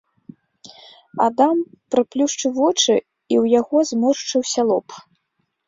Адам прыплюшчыў вочы, і ў яго зморшчыўся лоб.